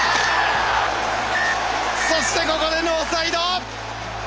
そしてここでノーサイド！